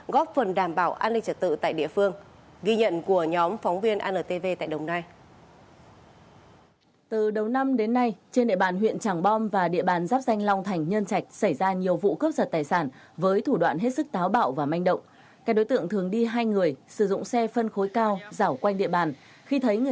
góp phần đảm bảo an ninh trật tự tại địa phương